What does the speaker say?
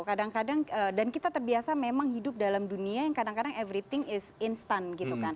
kadang kadang dan kita terbiasa memang hidup dalam dunia yang kadang kadang everything is instant gitu kan